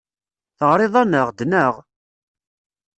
Teɣriḍ-aneɣ-d, naɣ?